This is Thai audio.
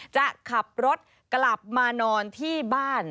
จะขับรถกลับมานอนที่บ้าน